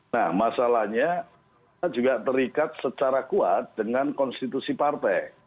nah masalahnya juga terikat secara kuat dengan konstitusi partai